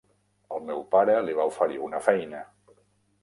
El meu pare li va oferir una feina.